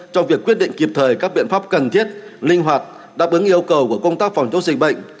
trong việc quyết định kịp thời các biện pháp cần thiết linh hoạt đáp ứng yêu cầu của công tác phòng chống dịch bệnh